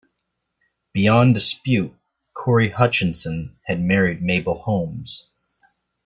Beyond dispute, Corry Hutchinson had married Mabel Holmes.